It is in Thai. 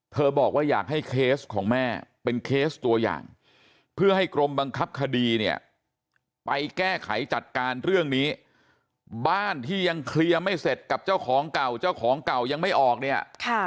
บอกว่าอยากให้เคสของแม่เป็นเคสตัวอย่างเพื่อให้กรมบังคับคดีเนี่ยไปแก้ไขจัดการเรื่องนี้บ้านที่ยังเคลียร์ไม่เสร็จกับเจ้าของเก่าเจ้าของเก่ายังไม่ออกเนี่ย